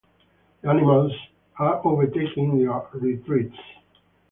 The animals are overtaken in their retreats.